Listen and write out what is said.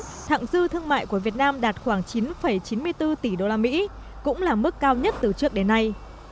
năm hai nghìn một mươi chín thẳng dư thương mại của việt nam đạt khoảng chín chín mươi bốn tỷ usd cũng là mức cao nhất từ trước đến nay